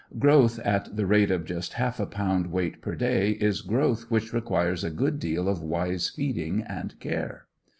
Growth at the rate of just half a pound weight per day is growth which requires a good deal of wise feeding and care.